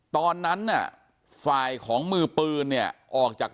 ตอนนั้นน่ะฝ่ายของมือปืนเนี่ยออกจาก